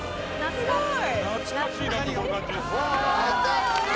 すごい！